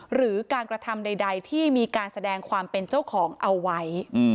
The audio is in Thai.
หรือการกระทำใดที่มีการแสดงความเป็นเจ้าของเอาไว้